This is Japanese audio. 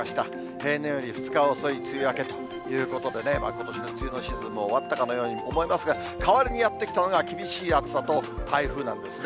平年より２日遅い梅雨明けということでね、ことしの梅雨のシーズンも終わったかのように思えますが、代わりにやって来たのが、厳しい暑さと台風なんですね。